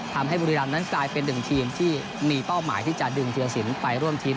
บุรีรำนั้นกลายเป็นหนึ่งทีมที่มีเป้าหมายที่จะดึงธีรสินไปร่วมทีม